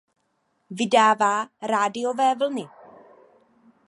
Vydává rádiové vlny.